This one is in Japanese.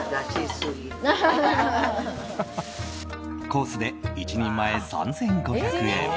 コースで１人前３５００円。